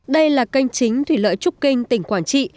đây là kênh chính thủy lợi trúc kinh tỉnh quảng trị